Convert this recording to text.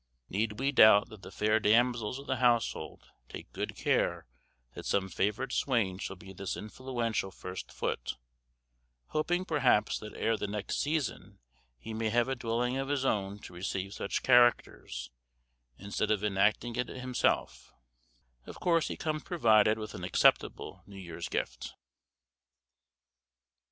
Need we doubt that the fair damsels of the household take good care that some favoured swain shall be this influential First Foot, hoping perhaps that ere the next season he may have a dwelling of his own to receive such characters, instead of enacting it himself; of course he comes provided with an acceptable New Year's Gift.